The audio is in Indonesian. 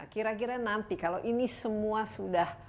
kira kira nanti kalau ini semua sudah satria sudah di atas gitu